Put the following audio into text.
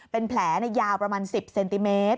เป็นแผลยาวประมาณ๑๐เซนติเมตร